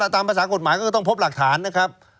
ตามภาษากฎหมายก็จะต้องพบหลักฐานนะครับ